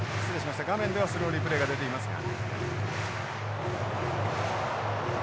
画面ではスローリプレーが出ていますが。